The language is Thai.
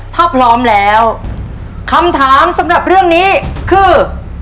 ถ้าพร้อมแล้วคำถามสำหรับเรื่องนี้คือ